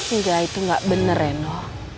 enggak itu gak bener reno